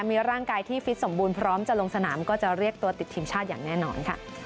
มีร่างกายที่ฟิตสมบูรณ์พร้อมจะลงสนามก็จะเรียกตัวติดทีมชาติอย่างแน่นอนค่ะ